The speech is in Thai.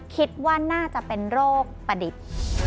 คิดว่าน่าจะเป็นโรคประดิษฐ์